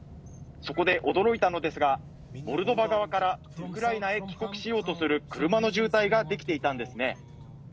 そこで驚いたのですがモルドバ側からウクライナへ帰国しようとする車の渋滞ができていたんですね。